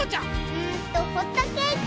うんとホットケーキ！